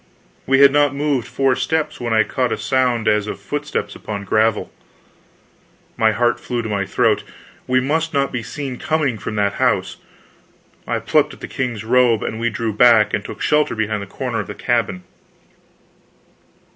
We had not moved four steps when I caught a sound as of footsteps upon gravel. My heart flew to my throat. We must not be seen coming from that house. I plucked at the king's robe and we drew back and took shelter behind the corner of the cabin.